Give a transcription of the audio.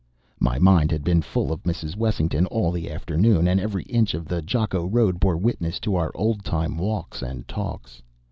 My mind had been full of Mrs. Wessington all the afternoon; and every inch of the Jakko road bore witness to our oldtime walks and talks.